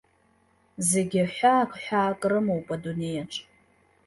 Зегьы ҳәаак-ҳәаак рымоуп адунеиаҿ.